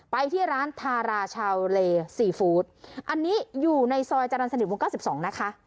ไปที่ร้านทาราชาวเลซีฟู้ดอันนี้อยู่ในซอยจรรยสนิทวง๙๒นะคะ